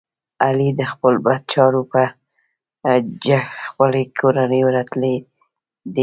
علی د خپلو بد چارو په جه خپلې کورنۍ رټلی دی.